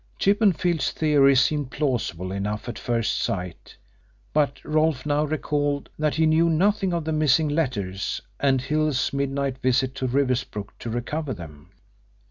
Chippenfield's theory seemed plausible enough at first sight, but Rolfe now recalled that he knew nothing of the missing letters and Hill's midnight visit to Riversbrook to recover them.